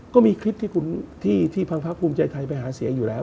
ก็มีคลิปที่ทางพักภูมิใจไทยไปหาเสียงอยู่แล้ว